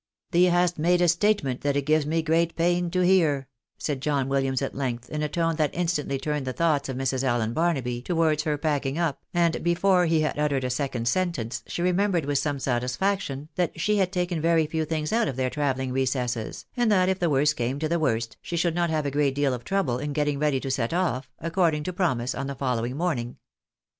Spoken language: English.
" Thee hast made a statement that it gives me great pain to hear," said John WiUiams, at length, in a tone that instantly turned the thoughts of Mrs. Allen Barnaby towards her packing up, and before he had uttered a second sentence she remembered with some satisfaction, that she had taken very few things out of their travelling recesses, and that if the worst came to the worst, she should not have a great deal of trouble in getting ready to set oflf, according to promise, on the following morning.